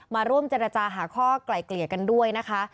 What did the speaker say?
มาร่วมเจรจาหาข้อไกลเกลี่ยกันด้วยนะคะ